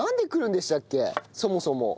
そもそも。